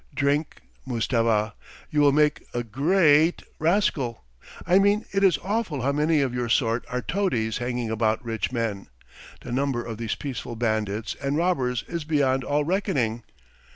Drink, Mustafa! You will make a gre eat rascal! I mean it is awful how many of your sort are toadies hanging about rich men. The number of these peaceful bandits and robbers is beyond all reckoning!